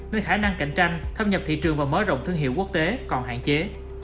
nên khả năng cạnh tranh thâm nhập thị trường và mở rộng thương hiệu quốc tế còn hạn chế